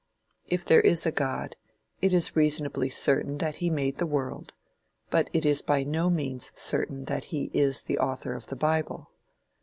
If there is a God, it is reasonably certain that he made the world, but it is by no means certain that he is the author of the bible.